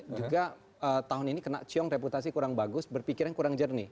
juga tahun ini kena qiong reputasi kurang bagus berpikir yang kurang jernih